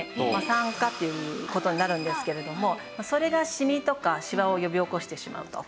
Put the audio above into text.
酸化っていう事になるんですけれどもそれがシミとかシワを呼び起こしてしまうと。